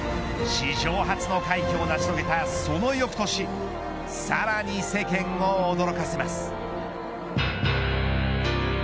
史上初の快挙を成し遂げたその翌年さらに世間を驚かせます。